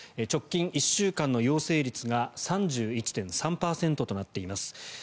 直近１週間の陽性率が３１．３％となっています。